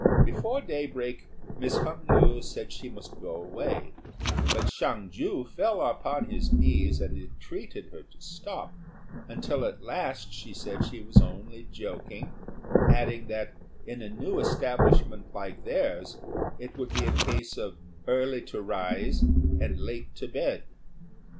Before day break Miss Hung yü said she must go away; but Hsiang ju fell upon his knees and entreated her to stop, until at last she said she was only joking, adding that, in a new establishment like theirs, it would be a case of early to rise and late to bed.